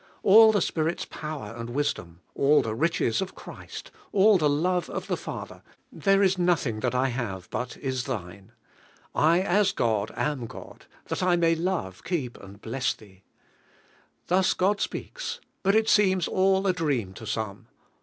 All the Spirit's power and wisdom, all the riches of Christ, all (he hive of the Father; there is nothing thai 1 have bill Uw umriK HKALINO. is thine; I as God am God, that I may love, keep, ami bless thee." Thus God speaks, but it seems nil a dream to some.